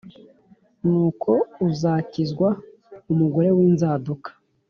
nuko uzakizwa umugore w’inzaduka,